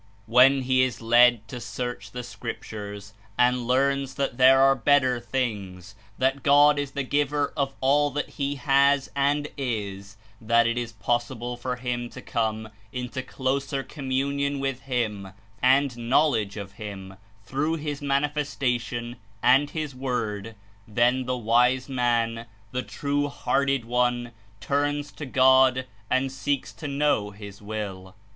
When he is led to "search the scriptures" and learns that there are "better things," that God is the Giver of all that he has and is, that it is possible for him to come into closer communion with him and knowledge of him through his Manifestation and his Word, then the wise man, the true hearted one, turns to God and seeks to know his Will.